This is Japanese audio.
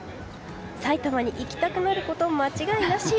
埼玉に行きたくなること間違いなし！